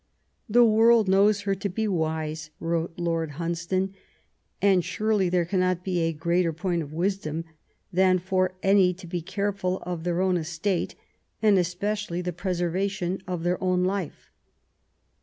The world knows her to be wise," wrote Lord Hundson, " and surely there cannot be a greater point of wisdom than for any to be careful of their own estate, and especially the preservation of their own life.